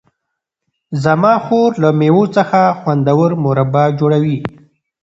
زما خور له مېوو څخه خوندور مربا جوړوي.